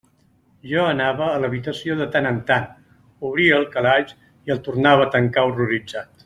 Jo anava a l'habitació de tant en tant, obria el calaix i el tornava a tancar horroritzat.